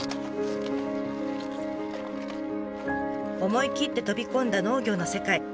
思い切って飛び込んだ農業の世界。